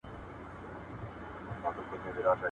نېکي نه ورکېږي.